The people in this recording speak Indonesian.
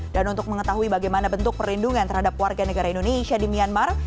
dan untuk mengetahui bagaimana bentuk perlindungan terhadap warga negara indonesia di myanmar